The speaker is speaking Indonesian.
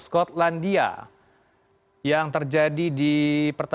ketika ribuan orang menangis di kota